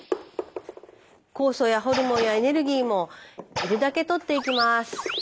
酵素やホルモンやエネルギーも要るだけ取っていきます。